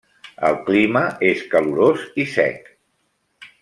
El clima és calorós i sec.